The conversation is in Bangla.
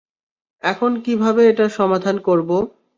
এখন কীভাবে এটার সমাধান করব?